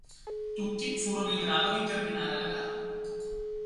Tutti furono in grado di terminare la gara.